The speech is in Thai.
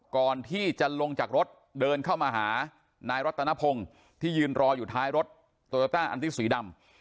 ก่อนที่จะลงจากรถเดินเข้ามาหานายรัตนพงศ์ที่ยืนรออยู่ท้ายรถโตโยต้าอันติสีดำ